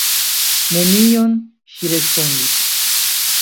"Nenion," ŝi respondis.